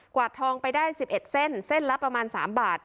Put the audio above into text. วาดทองไปได้๑๑เส้นเส้นละประมาณ๓บาท